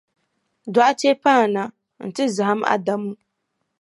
Dɔɣite paana nti zahim Adamu.